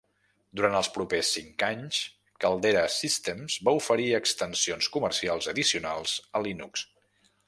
Durant els propers cinc anys, Caldera Systems va oferir extensions comercials addicionals a Linux.